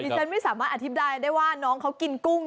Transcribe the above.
ฉันไม่สามารถอธิบายได้ว่าน้องเขากินกุ้ง